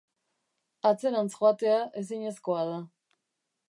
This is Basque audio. Atzerantz joatea ezinezkoa da.